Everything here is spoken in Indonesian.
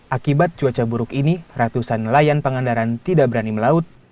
akibat cuaca buruk ini ratusan nelayan pangandaran tidak berani melaut